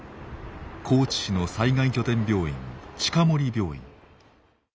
高知市の災害拠点病院近森病院。